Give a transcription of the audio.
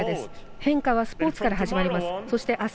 変化はスポーツから始まります。